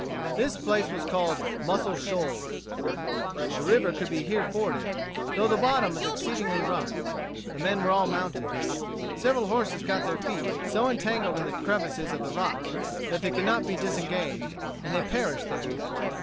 This place was called Muscle Shoals. The river could here be forded, though the bottom was exceedingly rough. The men were all mounted. Several horses got their feet so entangled in the crevices of the rocks that they could not be disengaged, and they perished there.